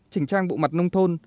chỉnh trang bộ mặt nông thôn